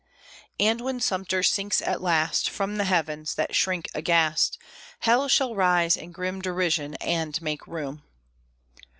And when Sumter sinks at last From the heavens, that shrink aghast, Hell shall rise in grim derision and make room!